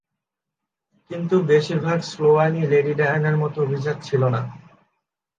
কিন্তু, বেশির ভাগ স্লোয়ানই লেডি ডায়ানার মতো অভিজাত ছিল না।